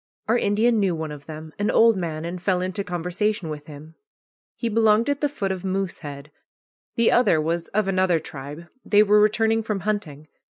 Our Indian knew one of them, an old man, and fell into conversation with him. He belonged at the foot of Moosehead. The other was of another tribe. They were returning from hunting.